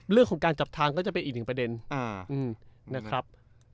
เรื่องของการจับทางก็จะเป็นอีกหนึ่งประเด็นนะครับ